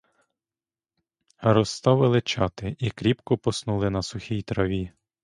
Розставили чати і кріпко поснули на сухій траві.